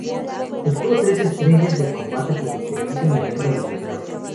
Obtuvo tres estrellas de combate por su servicio en la Guerra de Vietnam.